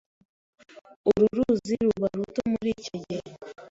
Uru ruzi ruba ruto muri icyo gihe.